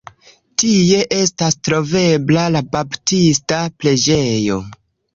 Tie estas trovebla la Baptista Preĝejo.